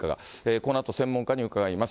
このあと専門家に伺います。